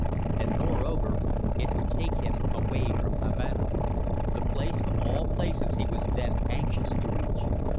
And, moreover, it would take him away from Havana, the place of all places he was then anxious to reach.